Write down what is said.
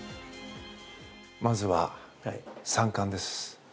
まずは３冠です。